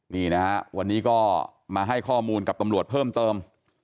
นี่นะฮะวันนี้ก็มาให้ข้อมูลกับตำรวจเพิ่มเติม